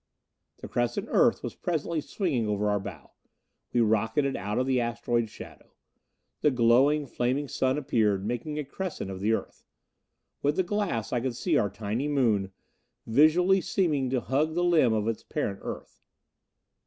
The crescent Earth was presently swinging over our bow. We rocketed out of the asteroid's shadow. The glowing, flaming Sun appeared, making a crescent of the Earth. With the glass I could see our tiny Moon, visually seeming to hug the limb of its parent Earth.